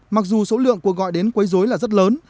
mặc dù số lượng cuộc gọi đến quấy dối là rất lớn